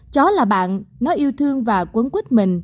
chó là bạn nó yêu thương và quấn quýt mình